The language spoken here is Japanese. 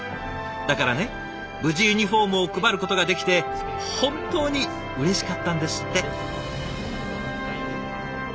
だからね無事ユニフォームを配ることができて本当にうれしかったんですって。